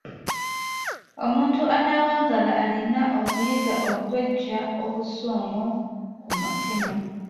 Omuntu anaawangaala alina okuyiga okweggya obusungu ku mutima.